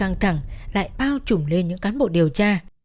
căng thẳng lại bao trùm lên những cán bộ điều tra